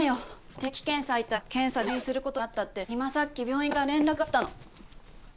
定期検査行ったら検査で入院する事になったって今さっき病院から連らくがあったの。